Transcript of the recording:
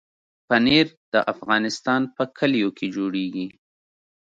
پنېر د افغانستان په کلیو کې جوړېږي.